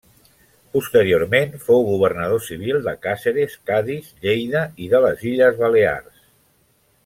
Posteriorment fou governador civil de Càceres, Cadis, Lleida i de les Illes Balears.